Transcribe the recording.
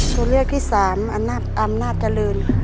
ตัวเลือกที่สามอำนาจเจริญค่ะ